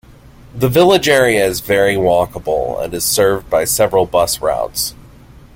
The village area is very walkable, and is served by several bus routes.